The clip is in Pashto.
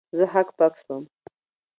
زه هک پک سوم.